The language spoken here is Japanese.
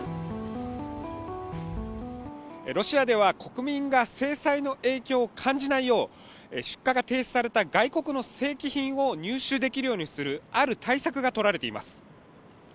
ロシアでは国民が制裁の影響を感じないよう出荷が提出された外国の正規品を入手できるようにするある対策が取られています